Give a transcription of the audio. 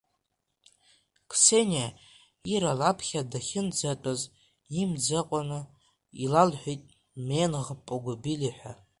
Қсениа, Ира лаԥхьа дахьынӡатәаз, имӡакәаны илалҳәеит менӷ погубили ҳәа…